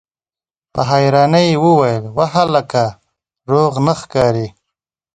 په حيرانۍ يې وويل: وه هلکه! روغ نه ښکارې!